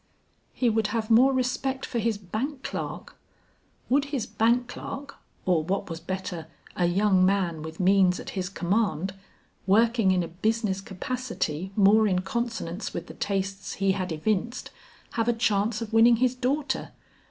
He would have more respect for his bank clerk! Would his bank clerk or what was better, a young man with means at his command, working in a business capacity more in consonance with the tastes he had evinced, have a chance of winning his daughter?